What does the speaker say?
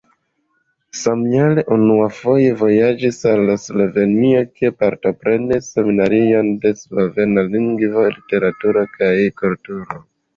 Samjare unuafoje vojaĝis al Slovenio, kie partoprenis Seminarion de slovena lingvo, literaturo kaj kulturo.